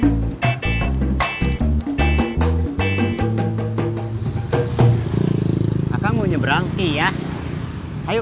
ocean gaps sejauh juga gududan sisi fourtime kini yang benel spek dan ide bawah